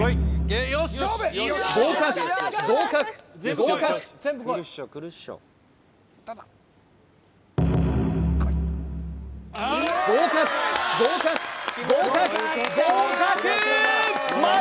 合格合格合格合格合格合格合格！